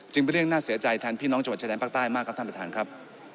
เป็นเรื่องน่าเสียใจแทนพี่น้องจังหวัดชายแดนภาคใต้มากครับท่านประธานครับ